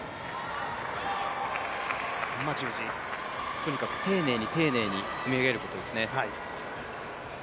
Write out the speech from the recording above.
とにかく丁寧に丁寧に積み上げることですね。